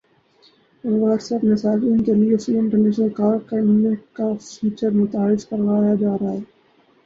what's app نے صارفین کی لیے فری انٹرنیشنل کالز کرنے کا فیچر متعارف کروایا جا رہا ہے